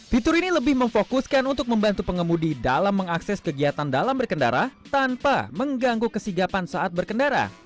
fitur ini lebih memfokuskan untuk membantu pengemudi dalam mengakses kegiatan dalam berkendara tanpa mengganggu kesigapan saat berkendara